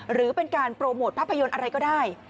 หรือเป็นการโปรโมทภาพยนตร์อะไรก็ได้